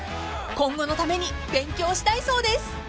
［今後のために勉強したいそうです］